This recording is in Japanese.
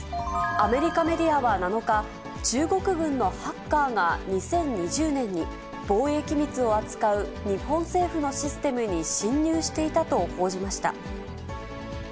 アメリカメディアは７日、中国軍のハッカーが、２０２０年に、防衛機密を扱う日本政府のシステムに侵入していたと報じました。